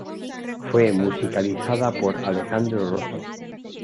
Fue musicalizada por Alejandro Rosso.